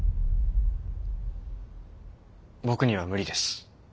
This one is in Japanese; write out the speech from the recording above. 僕には無理です。